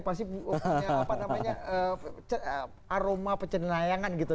pasti punya apa namanya aroma pencendayangan gitu